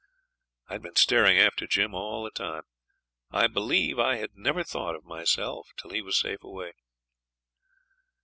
I had been staring after Jim all the time; I believe I had never thought of myself till he was safe away.